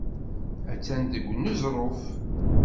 Attan deg uneẓruf.